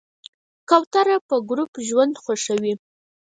کوتره په ګروپ ژوند خوښوي.